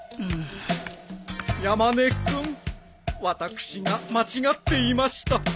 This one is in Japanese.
私が間違っていました。